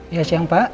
ya siang pak